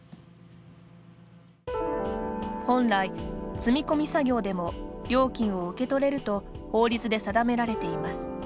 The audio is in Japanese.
本来、積み込み作業でも料金を受け取れると法律で定められています。